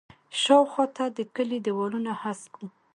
شاوخوا ته د کلي دیوالونه هسک وو.